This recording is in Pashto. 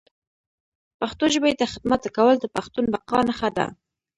پښتو ژبي ته خدمت کول د پښتون بقا نښه ده